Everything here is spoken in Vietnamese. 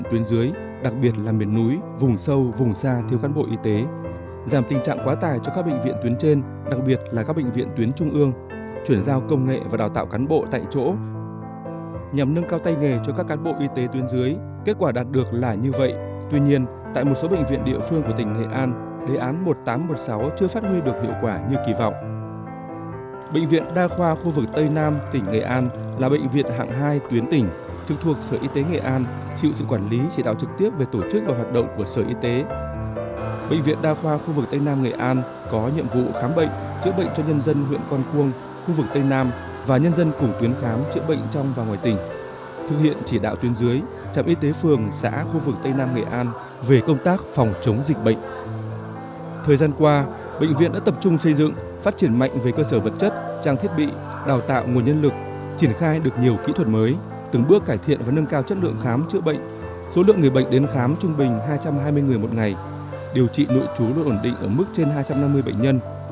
từng bước cải thiện và nâng cao chất lượng khám chữa bệnh số lượng người bệnh đến khám trung bình hai trăm hai mươi người một ngày điều trị nội trú được ổn định ở mức trên hai trăm năm mươi bệnh nhân